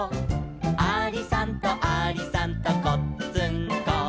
「ありさんとありさんとこっつんこ」